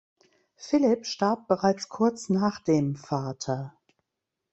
Philipp starb bereits kurz nach dem Vater.